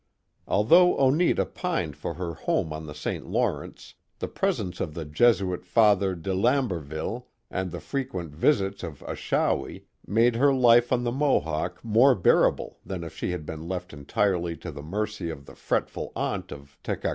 Although Oneta pined for her home on the St. Lawrence, the presence of the Jesuit Father De Lamberville and the frequent visits of Achawi made her life on the Mohawk more bearable than if she had been left entirely to the mercy of the fretful aunt of Tekakwitha.